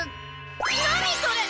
何それ！